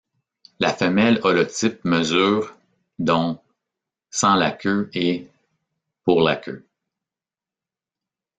La femelle holotype mesure dont sans la queue et pour la queue.